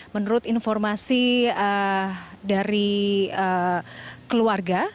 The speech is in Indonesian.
menurut informasi dari keluarga